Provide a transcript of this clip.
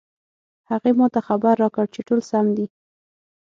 هغې ما ته خبر راکړ چې ټول سم دي